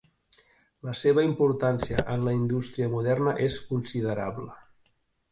La seva importància en la indústria moderna és considerable.